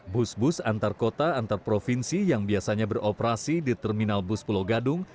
bus bus antar kota antar provinsi yang biasanya beroperasi di terminal bus pulau gadung